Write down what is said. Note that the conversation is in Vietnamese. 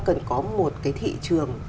cần có một cái thị trường